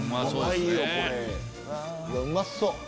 うまそう！